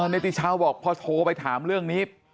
นิติชาวบอกพอโทรไปถามเรื่องนี้